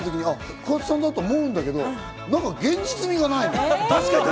桑田さんだ！って思うんだけど、何か現実味がないの。